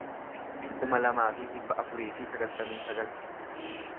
kuma lamaa fi dhibba afurii fi sagaltamii sagal